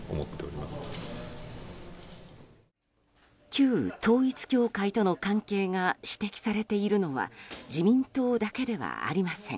旧統一教会との関係が指摘されているのは自民党だけではありません。